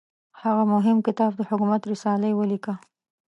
هغه مهم کتاب د حکومت رسالې ولیکه.